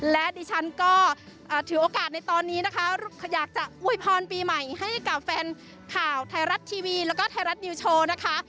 และดิฉันก็ถือโอกาสในตอนนี้นะคะอยากจะอวยพรปีใหม่ให้กับแฟนข่าวไทยรัฐทีวีแล้วก็ไทยรัฐนิวโชว์นะคะ